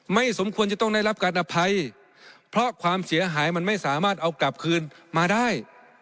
สมควรจะต้องได้รับการอภัยเพราะความเสียหายมันไม่สามารถเอากลับคืนมาได้